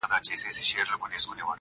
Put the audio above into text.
چي محبت يې زړه كي ځاى پـيـدا كـړو,